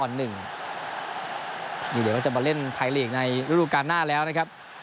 เดี๋ยวก็จะมาเล่นไทยลีกในฤดูการหน้าแล้วนะครับ